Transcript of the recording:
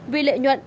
vì lợi nhuận